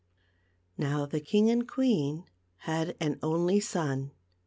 How the king and queen had an only son.